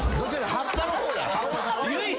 葉っぱの方だから。